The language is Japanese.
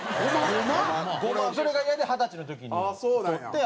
それがイヤで二十歳の時に取って。